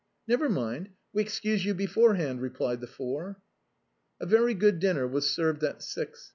" Never mind ; we excuse you beforehand," replied the four. A very good dinner was served at six.